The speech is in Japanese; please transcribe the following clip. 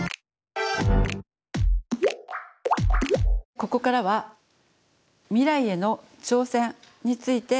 ここからは未来への挑戦についてお話しします。